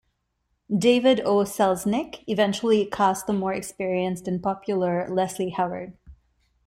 David O. Selznick eventually cast the more experienced and popular Leslie Howard.